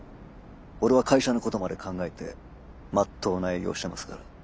俺は会社のことまで考えてまっとうな営業をしてますから。